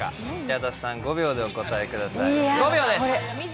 矢田さん５秒でお答えください５秒です